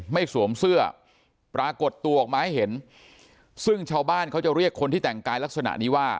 สวมเสื้อปรากฏตัวออกมาให้เห็นซึ่งชาวบ้านเขาจะเรียกคนที่แต่งกายลักษณะนี้ว่า